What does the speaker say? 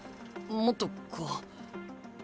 もっとこう。